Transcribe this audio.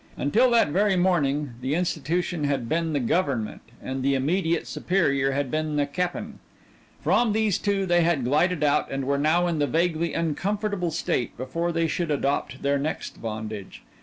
Until that very morning the institution had been the "government" and the immediate superior had been the "Cap'n" from these two they had glided out and were now in the vaguely uncomfortable state before they should adopt their next bondage.